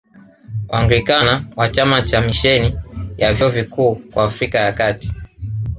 Waanglikana wa chama cha Misheni ya Vyuo Vikuu kwa Afrika ya Kati